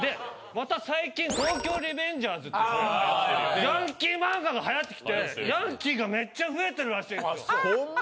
また最近『東京リベンジャーズ』ってヤンキー漫画が流行ってきてヤンキーがめっちゃ増えてるらしいのよ。ホンマ？